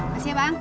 masih ya bang